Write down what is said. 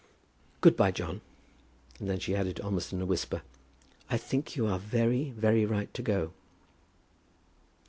"Good by, John." And then she added, almost in a whisper, "I think you are very, very right to go."